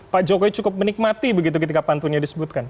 pak jokowi cukup menikmati begitu ketika pantunnya disebutkan